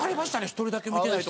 １人だけ見てないとか。